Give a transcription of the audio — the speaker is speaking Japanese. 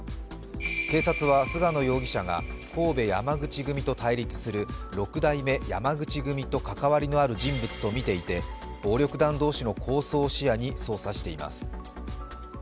警察は、菅野容疑者が神戸山口組と対立する六代目山口組と関わりのある人物とみていて暴力団同士の抗争を視野に捜査しています。